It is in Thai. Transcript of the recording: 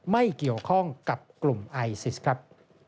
ไม่เกี่ยวข้องกับกลุ่มไอซิสครับ